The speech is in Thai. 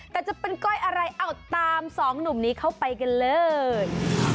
แต่จะเป็นก้อยอะไรเอาตามสองหนุ่มนี้เข้าไปกันเลย